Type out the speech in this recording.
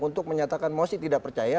untuk menyatakan mosi tidak percaya